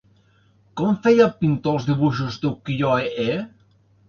Com feia el pintor els dibuixos d'ukiyo-e?